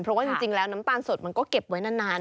เพราะว่าจริงแล้วน้ำตาลสดมันก็เก็บไว้นาน